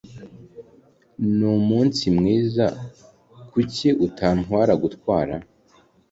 Numunsi mwiza. Kuki utantwara gutwara?